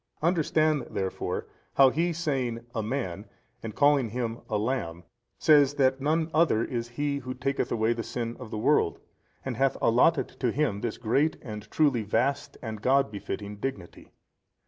Understand therefore how he saying, a Man, and calling Him a Lamb, says that none other is He who taketh away the sin of the world, and hath allotted to Him this great and truly vast and God befitting Dignity.